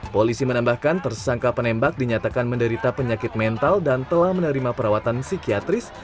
polisi menambahkan tersangka penembak dinyatakan menderita penyakit mental dan telah menerima perawatan psikiatris